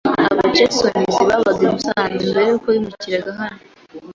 Aba Jackons babaga i Musanze mbere yuko bimukira hano.